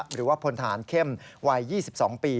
หรือว่าพลฐานเข้มวัย๒๒ปี